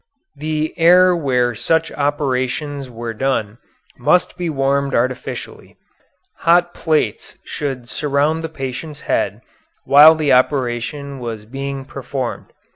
The air where such operations were done must be warmed artificially. Hot plates should surround the patient's head while the operation was being performed.